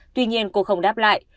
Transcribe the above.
tuy nhiên cô không đáp lại